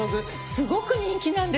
すごく人気なんです。